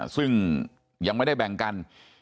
ซึ่งยังไม่ได้แบ่งกัน